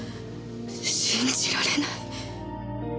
信じられない。